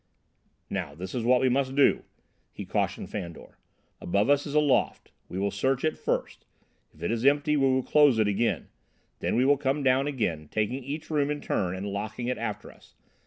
"Now, this is what we must do," he cautioned Fandor. "Above us is a loft we will search it first; if it is empty, we will close it again. Then we will come down again, taking each room in turn and locking it after us.